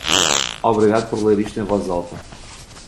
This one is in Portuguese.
Obrigado por ler isto em voz alta.